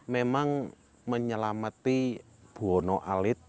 memang menyelamati buho no'at